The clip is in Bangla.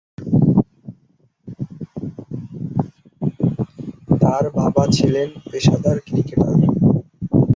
তার বাবা ছিলেন পেশাদার ক্রিকেটার।